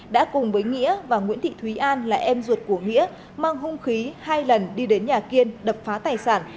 đã cùng với nghĩa và nguyễn thị thúy an là em ruột của nghĩa mang hung khí hai lần đi đến nhà kiên đập phá tài sản